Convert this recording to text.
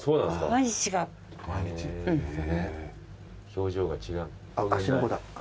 表情が違うんだ。